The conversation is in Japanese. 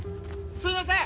すいません！